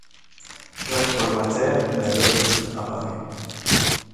Jacques Paul Matter naît le à Paris.